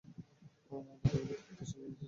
আর তাকে ভীতি প্রদর্শন করা হয়েছিল।